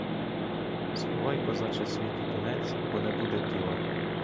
Сховай, козаче, свій тютюнець, бо не буде діла.